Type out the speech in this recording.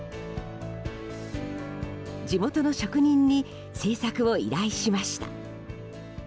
地元の職人に制作を依頼しました。